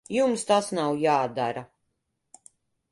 Jums tas nav jādara.